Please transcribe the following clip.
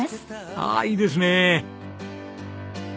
ああいいですねえ。